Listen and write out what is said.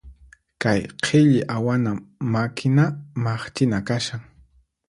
Kay qhilli awana makina maqchina kashan.